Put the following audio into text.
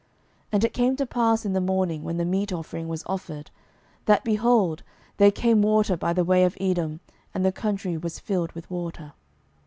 12:003:020 And it came to pass in the morning, when the meat offering was offered, that, behold, there came water by the way of Edom, and the country was filled with water.